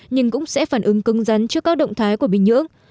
nhưng cũng sẽ phản ứng cứng rắn trước các động thái của bình nhưỡng